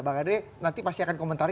bang andre nanti pasti akan komentar